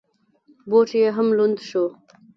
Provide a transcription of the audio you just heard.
بوټ یې هم لوند شو.